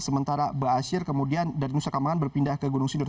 sementara aba asyir kemudian dari nusa kampangan berpindah ke gunung sindur